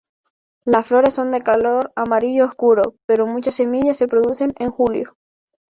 Las flores son de color amarillo oscuro, pero muchas semillas se producen en julio.